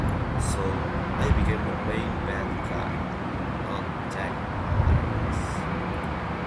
So, I became the main bad guy, and not Jack Palance.